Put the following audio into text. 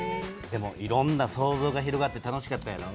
でもいろんな想像が広がって楽しかったやろ？